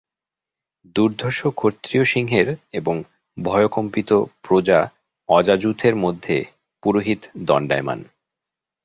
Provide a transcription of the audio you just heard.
দুর্ধর্ষ ক্ষত্রিয়-সিংহের এবং ভয়কম্পিত প্রজা-অজাযূথের মধ্যে পুরোহিত দণ্ডায়মান।